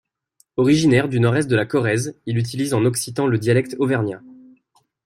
Originaire du nord-est de la Corrèze, il utilise en occitan le dialecte auvergnat.